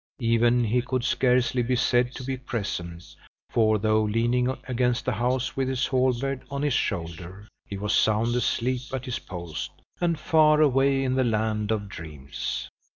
Even he could scarcely be said to be present; for, though leaning against the house with his halberd on his shoulder, he was sound asleep at his post, and far away in the land of dreams.